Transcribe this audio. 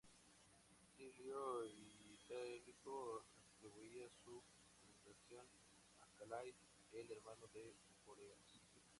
Silio Itálico atribuía su fundación a Calais, el hermano de Bóreas.